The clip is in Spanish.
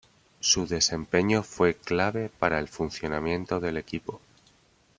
Su desempeño fue clave para el funcionamiento del equipo.